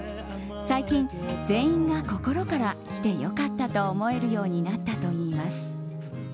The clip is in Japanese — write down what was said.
最近、全員が心から来て良かったと思えるようになったといいます。